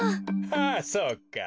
あそうか。